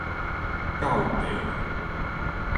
到塊